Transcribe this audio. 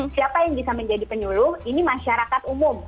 siapa yang bisa menjadi penyuluh ini masyarakat umum